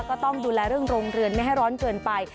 ก็ต้องดูแลเรื่องโรงเรือนไม่ให้ร้อนเกินไป